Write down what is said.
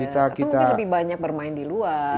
atau mungkin lebih banyak bermain di luar